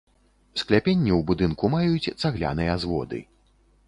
Скляпенні ў будынку маюць цагляныя зводы.